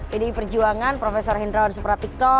dari perjuangan prof hendra wadisupratikto